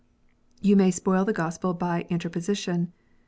You may spoil the Gospel by interposition.